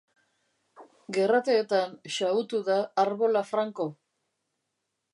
Gerrateetan xahutu da arbola franko.